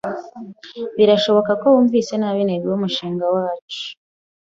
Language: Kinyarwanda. Birashoboka ko wumvise nabi intego yumushinga wacu.